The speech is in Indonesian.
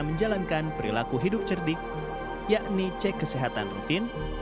menjalankan perilaku hidup cerdik yakni cek kesehatan rutin